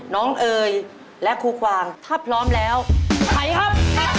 เอ๋ยและครูกวางถ้าพร้อมแล้วถ่ายครับ